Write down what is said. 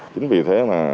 chính vì thế mà